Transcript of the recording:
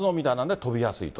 飛びやすい。